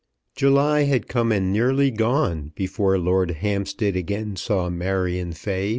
July had come and nearly gone before Lord Hampstead again saw Marion Fay.